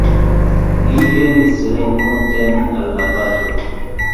Li venis renkonten al la patro.